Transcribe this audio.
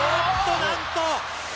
なんと！